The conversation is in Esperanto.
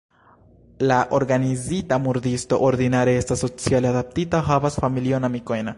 La organizita murdisto ordinare estas sociale adaptita, havas familion, amikojn.